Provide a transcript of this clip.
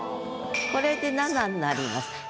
これで七になります。